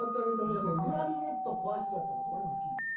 じゃ「クラリネットをこわしちゃった」とか俺も好きなんや。